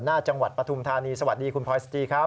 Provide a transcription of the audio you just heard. ส่วนหน้าจังหวัดปธุมธานีว์สวัสดีภลอยสตรีครับ